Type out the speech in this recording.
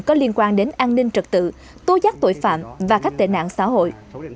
có liên quan đến an ninh trực tự tô giác tội phạm và khách tệ nạn xã hội